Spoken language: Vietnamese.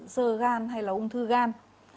sơ gan hay là ung thư gan